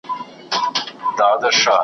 ویري واخیستم توپک مي وچ لرګی سو .